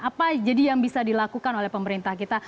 apa jadi yang bisa dilakukan oleh pemerintah kita